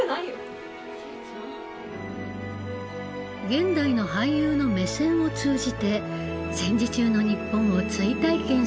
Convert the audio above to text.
現代の俳優の目線を通じて戦時中の日本を追体験する試み。